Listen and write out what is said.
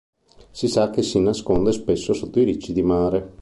Si sa che si nasconde spesso sotto i ricci di mare.